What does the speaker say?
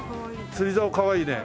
釣りざおかわいいね。